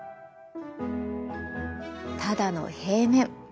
ただの平面。